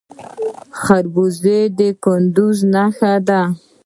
خربوزه د کندز نښه ده.